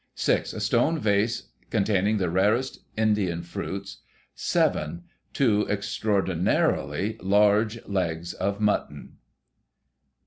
6. — A stone vase, containing the rarest Indian fruits. 7. — Two extraordinarily large legs of mutton.